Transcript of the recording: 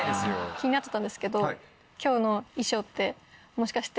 気になってたんですけど今日の衣装ってもしかして。